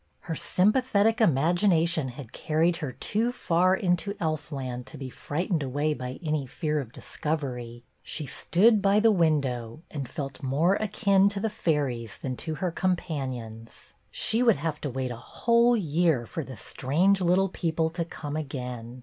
Her sympathetic imagination had carried her too far into elf land to be frightened away by any fear of discovery. She stood by the window, and felt more akin to the fairies than to her companions ; she would have to wait a whole year for the strange little people to come again.